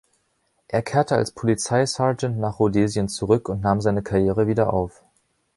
Er kehrte als Polizeisergeant nach Rhodesien zurück und nahm seine Karriere wieder auf.